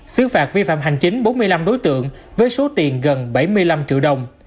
xứ phạt vi phạm hành chính bốn mươi năm đối tượng với số tiền gần bảy mươi năm triệu đồng